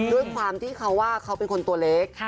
ด้วยความที่เขาว่าเขาเป็นคนตัวเล็ก